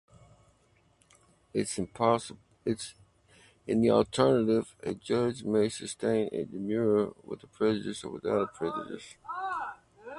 In the alternative, a judge may sustain a demurrer "with prejudice" or "without prejudice".